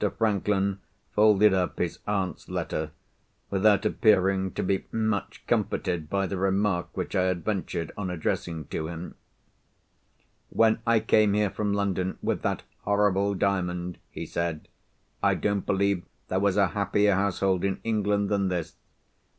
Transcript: Franklin folded up his aunt's letter, without appearing to be much comforted by the remark which I had ventured on addressing to him. "When I came here from London with that horrible Diamond," he said, "I don't believe there was a happier household in England than this.